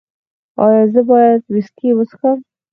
ایا زه باید ویسکي وڅښم؟